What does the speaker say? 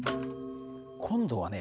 今度はね